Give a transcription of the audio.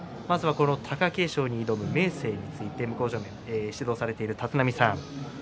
貴景勝に挑む明生について向正面、指導されている立浪さん